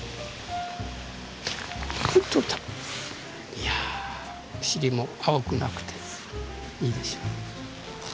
いやお尻も青くなくていいでしょう。